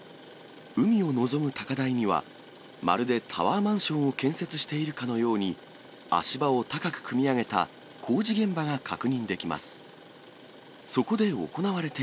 海を望む高台には、まるでタワーマンションを建設しているかのように、足場を高く組み上げた工事現場が確認できます。